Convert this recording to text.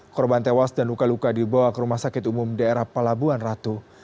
korban tewas dan luka luka dibawa ke rumah sakit umum daerah pelabuhan ratu